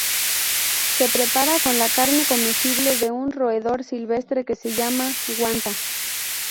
Se prepara con la carne comestible de un roedor silvestre que se llama guanta.